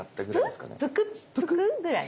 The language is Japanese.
プクップクッぐらい？